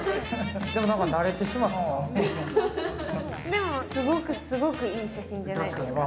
でも、すごくすごくいい写真じゃないですか？